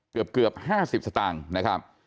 เกือบ๕๐สตางค์นะครับ